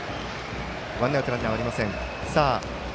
ワンアウトランナーはありません。